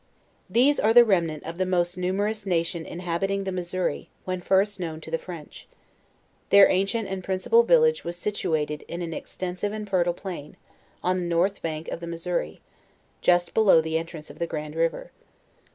These are the remnant of the most numer ous nation inhabiting the Missouri, when first known to the French. Their ancient and principal village was situated. 128 JOURNAL OF in an extensive and fertile plain, on the north bank of the Missouri, just below the entrance of the Grand river.